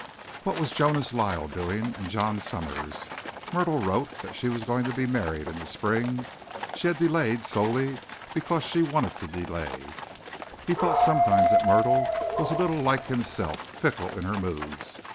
What was Jonas Lyle doing and John Summers? Myrtle wrote that she was going to be married in the spring. She had delayed solely because she wanted to delay. He thought sometimes that Myrtle was a little like himself, fickle in her moods.